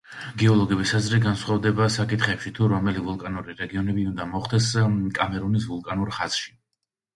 გეოლოგების აზრი განსხვავდება საკითხში, თუ რომელი ვულკანური რეგიონები უნდა მოხვდეს კამერუნის ვულკანურ ხაზში.